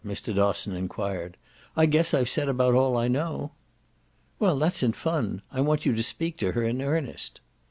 Mr. Dosson enquired. "I guess I've said about all I know." "Well, that's in fun. I want you to speak to her in earnest."